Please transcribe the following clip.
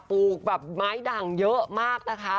ลูกแบบไม้ดั่งเยอะมากนะคะ